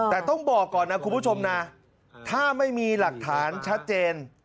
แต่ต้องบอกก่อนนะคุณผู้ชมนะถ้าไม่มีหลักฐานชัดเจน